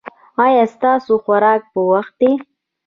ایا ستاسو خوراک په وخت دی؟